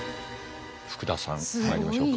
福田さんまいりましょうか。